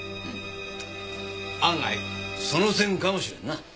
案外その線かもしれんな。